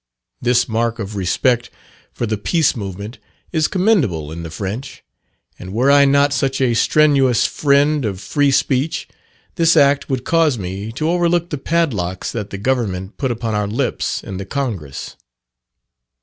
This mark of respect for the Peace movement is commendable in the French; and were I not such a strenuous friend of free speech, this act would cause me to overlook the padlocks that the government put upon our lips in the Congress.